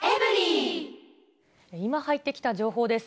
今入ってきた情報です。